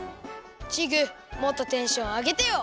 チグもっとテンションあげてよ。